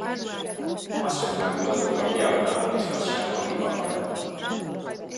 Az sem haragudott, aki adta, és az sem, aki kapta.